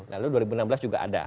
lalu dua ribu enam belas juga ada